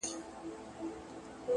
د وخت پاچا زما اته ي دي غلا كړي،